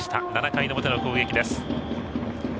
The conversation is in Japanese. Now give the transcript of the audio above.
７回の表の攻撃です。